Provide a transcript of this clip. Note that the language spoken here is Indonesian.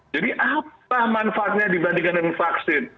jadi apa manfaatnya dibandingkan dengan vaksin